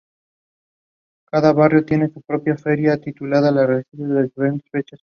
Cada barrio tiene su propia feria titular que se realiza en diferentes fechas.